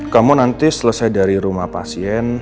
kamu nanti selesai dari rumah pasien